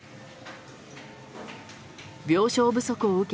病床不足を受け